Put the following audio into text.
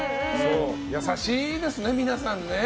優しいですね、皆さんね。